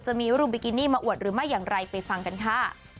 จะมีรูปบิกินี่มาอวดหรือไม่อย่างไรไปฟังกันค่ะ